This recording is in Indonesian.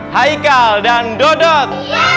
haikal dan dodot